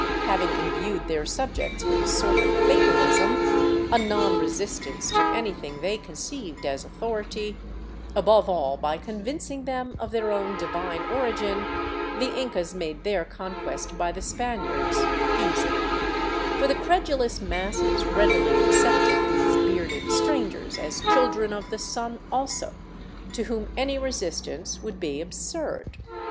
Having imbued their subjects with a sort of fatalism, a non resistance to anything they conceived as authority, above all by convincing them of their own divine origin, the Incas made their conquest by the Spaniards easy ; for the credulous masses readily accepted these bearded strangers as Children of the Sun also, to whom any resistance would be absurd.